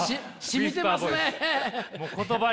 しみてますね。